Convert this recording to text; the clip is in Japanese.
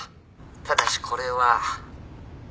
ただしこれは。